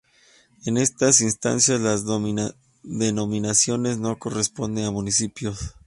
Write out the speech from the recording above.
En esas instancias las denominaciones no corresponde a municipios.